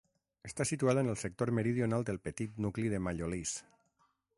Està situada en el sector meridional del petit nucli de Mallolís.